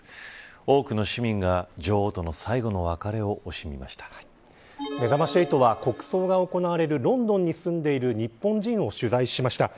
多くの市民が女王とのめざまし８は国葬が行われるロンドンに住んでいる日本人を取材しました。